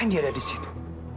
yang dia ada di situ